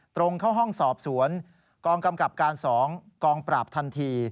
ตรงเข้าห้องสอบสวนกองกำกับการ๒กองปราบทันที